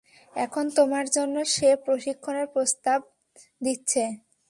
এখন তোমার জন্য, সে প্রশিক্ষণের প্রস্তাব দিচ্ছে।